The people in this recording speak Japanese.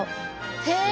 へえ！